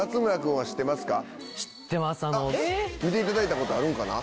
見ていただいたことあるんかな？